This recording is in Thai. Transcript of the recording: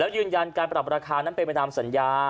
ยืนยันการปรับราคานั้นเป็นไปตามสัญญา